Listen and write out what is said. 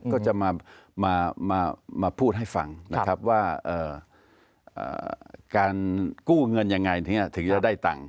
ก็จะมาพูดให้ฟังนะครับว่าการกู้เงินยังไงถึงจะได้ตังค์